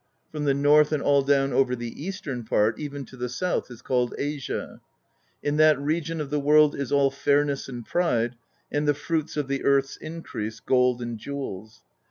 From the north and all down over the eastern part, even to the south, is called Asia. In that region of the world is all fair ness and pride, and the fruits of the earth's increase, gold and jewels.